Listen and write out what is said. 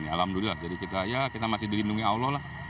alhamdulillah jadi kita masih dilindungi allah lah